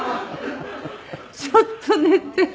「ちょっとね」って。